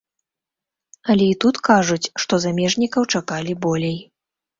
Але і тут кажуць, што замежнікаў чакалі болей.